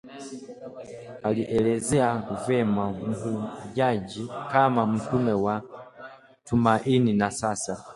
alielezea vyema mhujaji kama Mtume wa Tumaini; na sasa